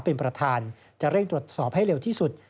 เป็นประธานจะเร่งตรวจสอบให้เร็วที่สุด